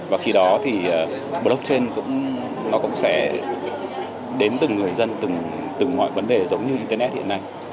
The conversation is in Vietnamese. và khi đó thì blockchain cũng sẽ đến từng người dân từng mọi vấn đề giống như internet hiện nay